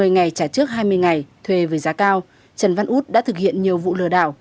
một mươi ngày trả trước hai mươi ngày thuê với giá cao trần văn út đã thực hiện nhiều vụ lừa đảo